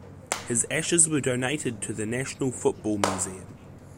His ashes were donated to the National Football Museum.